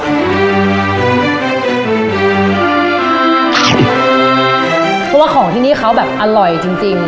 เพราะว่าของที่นี่เขาแบบอร่อยจริง